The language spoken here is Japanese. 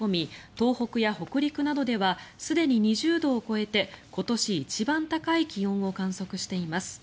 東北や北陸などではすでに２０度を超えて今年一番高い気温を観測しています。